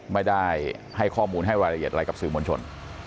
ไม่ได้ให้ข้อมูลให้รายละเอียดอะไรกับสื่อมวลชน